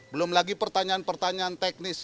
belum lagi pertanyaan pertanyaan teknis